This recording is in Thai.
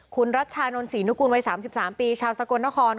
คุณรัชชานรสินุกูลวัย๓๓ปีชาวสกสลทธคอน